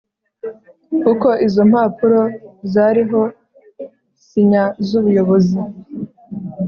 kuko izo mpapuro zariho sinya zubuyobozi